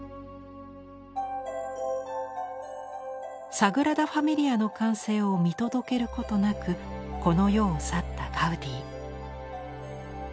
サグラダ・ファミリアの完成を見届けることなくこの世を去ったガウディ。